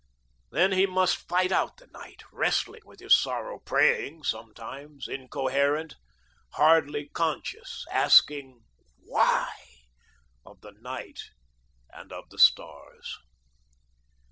Then he must fight out the night, wrestling with his sorrow, praying sometimes, incoherent, hardly conscious, asking "Why" of the night and of the stars.